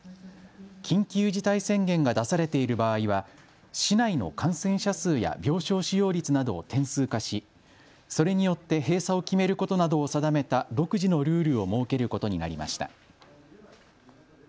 緊急事態宣言が出されている場合は、市内の感染者数や病床使用率などを点数化しそれによって閉鎖を決めることなどを定めた独自のルールを設けることになりました。